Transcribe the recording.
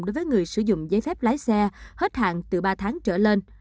đối với người sử dụng giấy phép lái xe hết hạn từ ba tháng trở lên